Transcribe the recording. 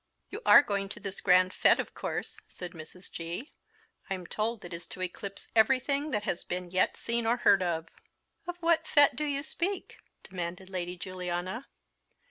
"You are going to this grand fete, of course," said Mrs. G. "I'm told it is to eclipse everything that has been yet seen or heard of." "Of what fete do you speak?" demanded Lady Juliana.